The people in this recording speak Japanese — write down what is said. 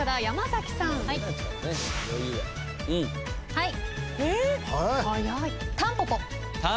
はい！